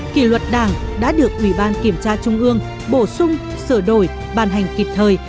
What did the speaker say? kỷ luật đảng đã được ủy ban kiểm tra trung ương bổ sung sửa đổi bàn hành kịp thời